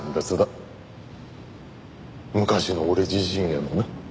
昔の俺自身へのな。